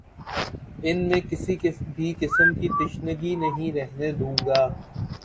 ان میں کسی بھی قسم کی تشنگی نہیں رہنے دوں گا